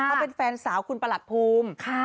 เขาเป็นแฟนสาวคุณประหลัดภูมิ